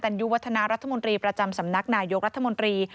ยุวัฒนารัฐมนตรีประจำสำนักนายกรัฐมนตรี